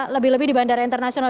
lebih lebih di bandara internasional